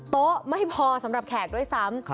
โต๊ะไม่พอสำหรับแขกด้วยซ้ำ